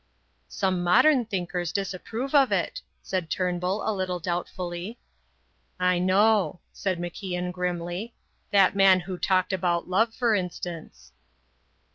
"Some modern thinkers disapprove of it," said Turnbull a little doubtfully. "I know," said MacIan grimly; "that man who talked about love, for instance."